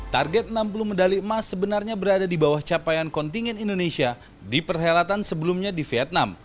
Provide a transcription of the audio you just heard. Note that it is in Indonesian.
target enam puluh medali emas sebenarnya berada di bawah capaian kontingen indonesia di perhelatan sebelumnya di vietnam